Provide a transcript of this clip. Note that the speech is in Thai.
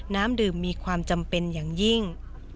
น้ำดื่มมีความจำเป็นอย่างยิ่ง